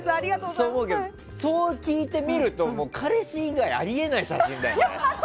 そう思うけどそう聞いてみると彼氏以外あり得ない写真だよね。